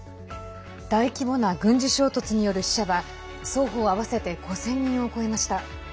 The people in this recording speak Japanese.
大規模な軍事衝突による死者は双方合わせて５０００人を超えました。